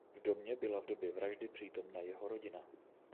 V domě byla v době vraždy přítomna jeho rodina.